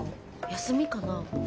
休みかな？